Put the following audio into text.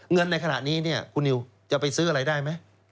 เงินในขณะนี้คุณนิวจะไปซื้ออะไรได้ไหม